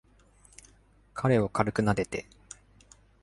彼を軽くなでて。